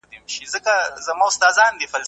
د کور کارونو کې مرسته وکړئ.